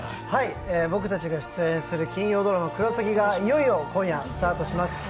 僕たちが出演する金曜ドラマ「クロサギ」がいよいよ今夜スタートします。